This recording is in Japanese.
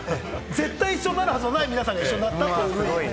絶対一緒になるはずのない皆さんが一緒になった。